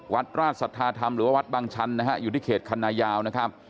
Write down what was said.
วัดราชสัทธาธรรมหรือวัดบางชั้นนะครับอยู่ที่เขตคณะยาวนะครับ